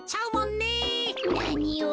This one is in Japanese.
なにを！